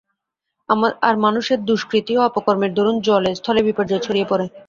আর মানুষের দুষ্কৃতি ও অপকর্মের দরুন জলে স্থলে বিপর্যয় ছড়িয়ে পড়ে।